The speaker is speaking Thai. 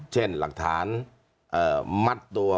เช่นหลักฐานมัดตัว